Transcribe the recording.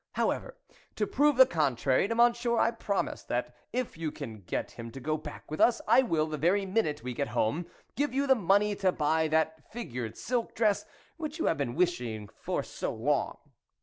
However, to prove the contrary to Mon sieur, I promise that if you can get him to go back with us, I will, the very minuta we get home, give you the money to buy that figured silk dress, which you have been wishing for so long.